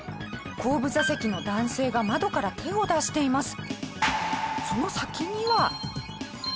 後部座席の男性が窓から手を出しています。